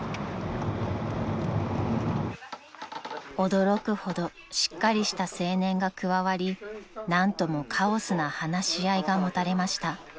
［驚くほどしっかりした青年が加わり何ともカオスな話し合いが持たれました］